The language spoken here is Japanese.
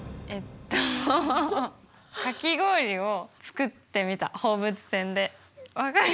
えっとかき氷を作ってみた放物線で。